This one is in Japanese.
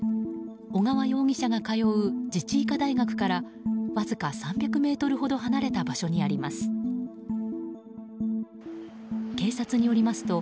小川容疑者が通う自治医科大学からわずか３００ｍほど離れた場所にあります。